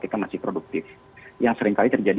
kita masih produktif yang seringkali terjadi